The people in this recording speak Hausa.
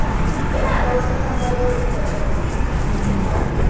Ina da wasu tambayoyi da zan miki.